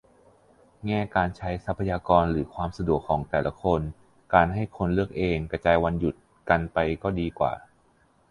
แง่การใช้ทรัพยากรหรือความสะดวกของแต่ละคน การให้คนเลือกเองกระจายวันหยุดกันไปก็ดีกว่า